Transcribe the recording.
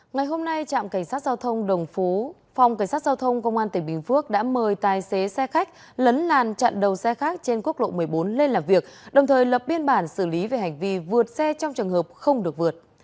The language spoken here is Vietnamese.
ngày hôm nay trạm cảnh sát giao thông đồng phú phòng cảnh sát giao thông công an tỉnh bình phước đã mời tài xế xe khách lấn làn chặn đầu xe khác trên quốc lộ một mươi bốn lên làm việc đồng thời lập biên bản xử lý về hành vi vượt xe trong trường hợp không được vượt